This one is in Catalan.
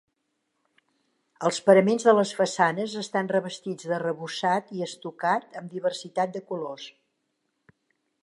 Els paraments de les façanes estan revestits d'arrebossat i estucat amb diversitat de colors.